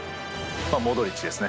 モドリッチですね。